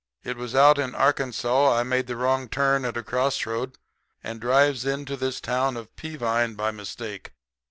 It was out in Arkansas I made the wrong turn at a cross road, and drives into this town of Peavine by mistake.